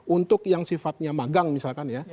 untuk yang sifatnya magang misalkan ya